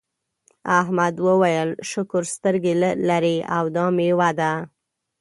احمد وویل شکر سترګې لرې او دا میوه ده.